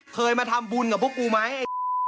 เคยมาทำบุญกับพวกกูไหม